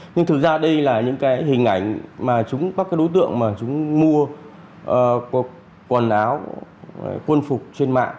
nhưng thực ra đây là những cái hình ảnh mà chúng các cái đối tượng mà chúng mua quần áo quân phục trên mạng